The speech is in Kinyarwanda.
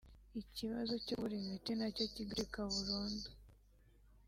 ikibazo cyo kubura imiti na cyo kigacika burundu